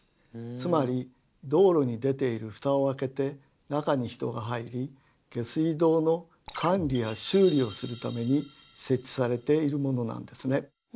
つまり道路に出ているフタを開けて中に人が入り下水道の管理や修理をするために設置されているものなんですね。